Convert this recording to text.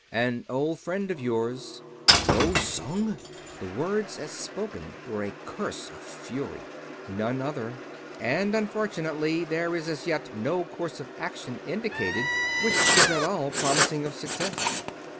"An old friend of yours...." "Lo Sung!" The words as spoken were a curse of fury. "None other. And, unfortunately, there is as yet no course of action indicated which is at all promising of success."